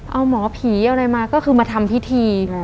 เอาหมอผีอะไรมาก็คือมาทำพิธี